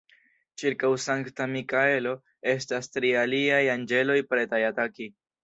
Ĉirkaŭ Sankta Mikaelo estas tri aliaj anĝeloj pretaj ataki.